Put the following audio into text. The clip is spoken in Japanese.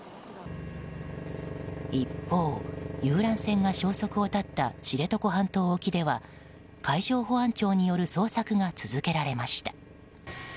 一方、遊覧船が消息を絶った知床半島沖では海上保安庁による捜索が続けられました。